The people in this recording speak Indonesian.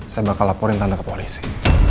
saya bakal laporin tanda ke polisi